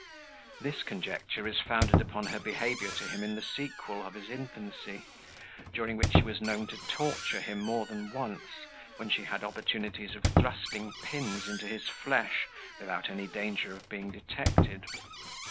This conjecture is founded upon her behaviour to him in the sequel of his infancy, during which she was known to torture him more than once, when she had opportunities of thrusting pins into his flesh, without any danger of being detected.